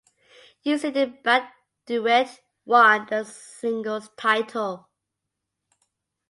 Useeded Brad Drewett won the singles title.